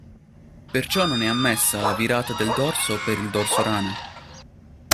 Perciò non è ammessa la virata del dorso per il dorso-rana.